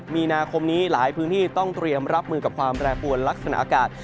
มีนาคมนี้หลายพื้นที่ต้องเตรียมรับมือกับความแปรปวนลักษณะอากาศ